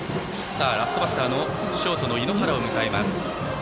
ラストバッターのショートの猪原を迎えます。